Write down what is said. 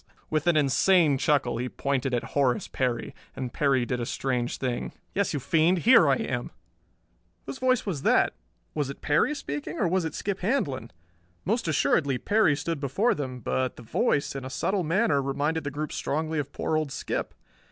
With an insane chuckle he pointed at Horace Perry. And Perry did a strange thing. "Yes, you fiend, here I am!" Whose voice was that? Was it Perry speaking, or was it Skip Handlon? Most assuredly Perry stood before them, but the voice, in a subtle manner, reminded the group strongly of poor old Skip.